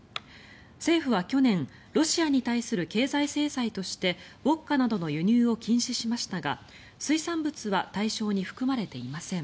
政府は去年ロシアに対する経済制裁としてウォッカなどの輸入を禁止しましたが水産物は対象に含まれていません。